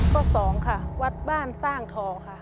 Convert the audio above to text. สองค่ะวัดบ้านสร้างทอค่ะ